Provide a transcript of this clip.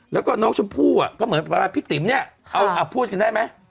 แล้วก็น้องชมพู่ก็เหมือนว่าพี่ติ๋มเนี่ยเอาพูดกันได้ไหม